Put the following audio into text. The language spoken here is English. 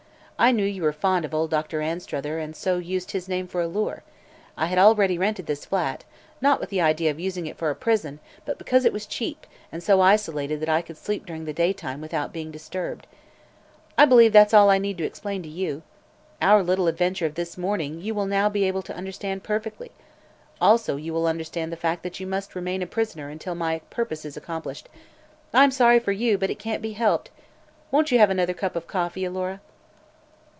I knew you were fond of old Doctor Anstruther and so used his name for a lure. I had already rented this flat; not with the idea of using it for a prison, but because it was cheap and so isolated that I could sleep during the daytime without being disturbed. I believe that's all that I need explain to you. Our little adventure of this morning you will now be able to understand perfectly. Also you will understand the fact that you must remain a prisoner until my purpose is accomplished. I'm sorry for you, but it can't be helped. Won't you have another cup of coffee, Alora?"